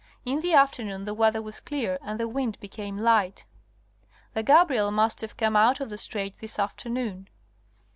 In the afternoon the weather was clear and the wind became lght. (The Gabriel must have come out of the strait this afternoon).